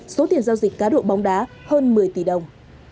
số tiền giao dịch cá độ bóng đá hơn một mươi tỷ đồng